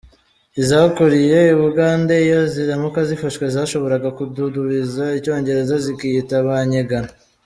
Izakuriye I bugande iyo ziramuka zifashwe zashoboraga kududubiza icyongereza zikiyita abanye Ghana.